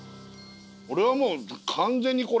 俺はもう完全にこれ。